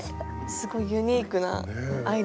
すごいユニークなアイデア。